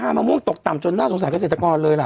มะม่วงตกต่ำจนน่าสงสารเกษตรกรเลยล่ะ